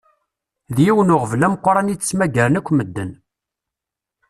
D yiwen uɣbel ameqqran i d-ttmagaren akk meden.